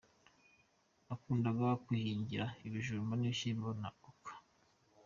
Nakundaga kwihingira ibijumba n’ibishyimbo na Oca.